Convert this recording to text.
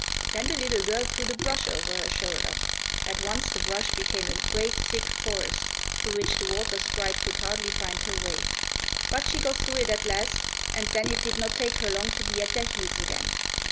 Then the little girl threw the brush over her shoulder. At once the brush became a great thick forest, through which the water sprite could hardly find her way. But she got through it at last, and then it did not take her long to be at their heels again.